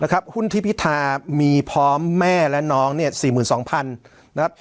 นะครับหุ้นที่พิธามีพร้อมแม่และน้องเนี่ยสี่หมื่นสองพันนะครับ